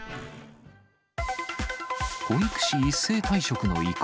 保育士一斉退職の意向。